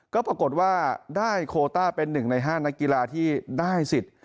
ก็ปรากฏว่าได้โคต้าเป็น๑ใน๕นักกีฬาที่ได้สิทธิ์